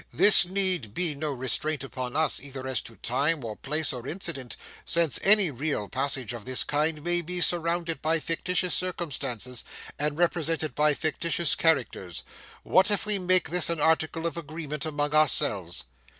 This need be no restraint upon us, either as to time, or place, or incident, since any real passage of this kind may be surrounded by fictitious circumstances, and represented by fictitious characters. What if we make this an article of agreement among ourselves?